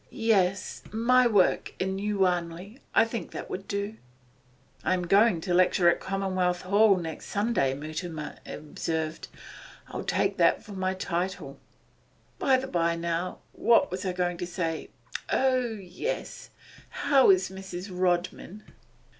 Yes, "My Work in New Wanley"; I think that would do.' 'I'm going to lecture at Commonwealth Hall next Sunday,' Mutimer observed. 'I'll take that for my title.' 'By the bye how what was I going to say? Oh yes, how is Mrs. Rodman?